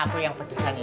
aku yang pedesan ya